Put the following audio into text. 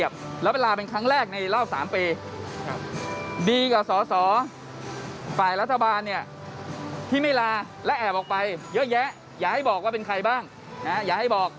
ข้างใกล้บ้างอย่าให้บอก